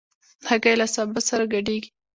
هګۍ له سابه سره ګډېږي.